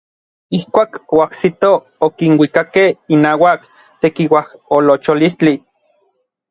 Ijkuak oajsitoj okinuikakej inauak tekiuajolocholistli.